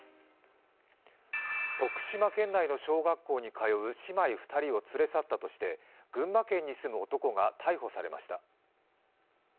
徳島県内の小学校に通う姉妹２人を連れ去ったとして群馬県に住む男が逮捕されました。